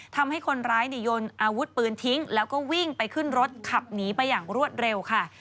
ทำให้คนร้ายยนอาวุธปืนทิ้งแล้วก็วิ่งไปขึ้นรถขับหนีไปอย่างรวดเร็วค่ะ